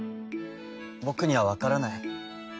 ぼくにはわからない。